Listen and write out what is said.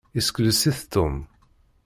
Isekles-it Tom.